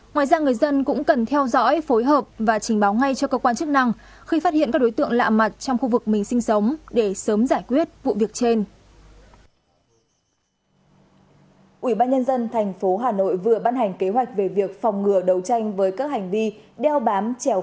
ngoài ra người dân cũng cần theo dõi phối hợp và trình báo ngay cho cơ quan chức năng khi phát hiện các đối tượng lạ mặt trong khu vực mình sinh sống để sớm giải quyết vụ việc trên